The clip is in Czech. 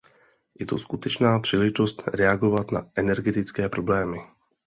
Je to skutečná příležitost reagovat na energetické problémy.